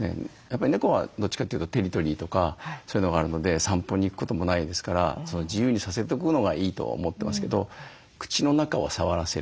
猫はどっちかというとテリトリーとかそういうのがあるので散歩に行くこともないですから自由にさせとくのがいいとは思ってますけど口の中を触らせる。